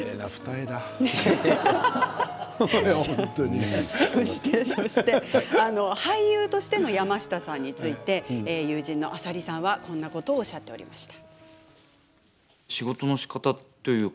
笑い声俳優としての山下さんについて友人の浅利さんはこんなことをおっしゃっていました。